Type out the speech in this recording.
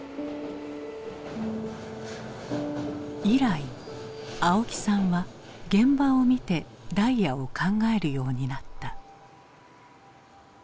以来青木さんは現場を見てダイヤを考えるようになった。